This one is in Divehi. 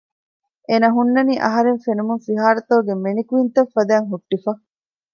އޭނަ ހުންނަނީ އަހަރެން ފެނުމުން ފިހާރަތަކުގެ މެނިކުއިންތައް ފަދައިން ހުއްޓިފަ